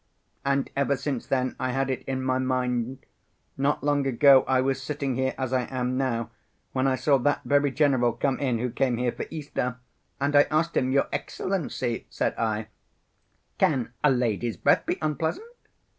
And ever since then I had it in my mind. Not long ago I was sitting here as I am now, when I saw that very general come in who came here for Easter, and I asked him: 'Your Excellency,' said I, 'can a lady's breath be unpleasant?